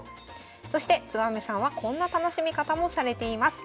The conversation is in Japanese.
そしてつばめさんはこんな楽しみ方もされています。